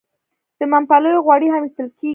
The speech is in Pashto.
د ممپلیو غوړي هم ایستل کیږي.